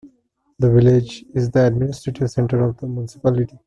The village is the administrative centre of the municipality.